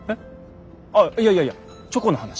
ああいやいやいやチョコの話。